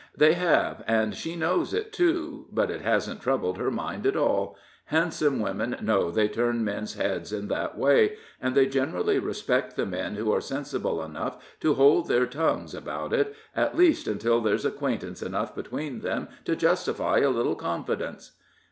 They have, and she knows it, too but it hasn't troubled her mind at all: handsome women know they turn men's heads in that way, and they generally respect the men who are sensible enough to hold their tongues about it, at least until there's acquaintance enough between them to justify a little confidence."